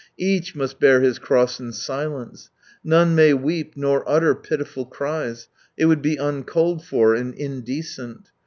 Each must bear his cross in silence. None may weep nor utter pitiful cries — it would be uncalled for and indecent.